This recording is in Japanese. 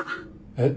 えっ？